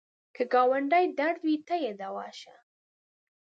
که ګاونډي ته درد وي، ته یې دوا شه